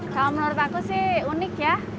kalau menurut aku sih unik ya